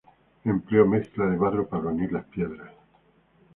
Empleo de la mezcla de barro para unir las piedras.